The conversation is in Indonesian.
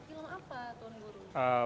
film apa tuan guru